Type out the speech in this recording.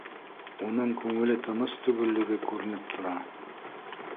Уның күңеле тыныс түгеллеге күренеп тора